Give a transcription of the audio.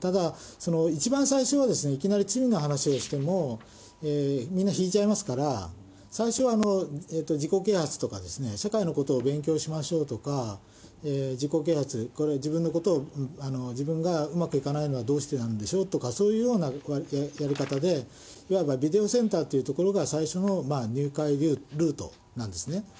ただ一番最初は、いきなり罪の話をしても、みんな引いちゃいますから、最初は自己啓発とか、世界のことを勉強しましょうとか、自己啓発、これは自分のことを、自分がうまくいかないのはどうしてなのでしょうとか、そういうようなやり方で、いわばビデオセンターというところが、最初の入会ルートなんですね。